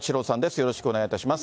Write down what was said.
よろしくお願いします。